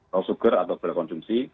low sugar atau berkonsumsi